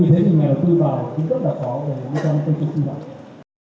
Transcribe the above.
và vì thế thì này là tư vào cũng rất là khó để nó trở thành quy hoạch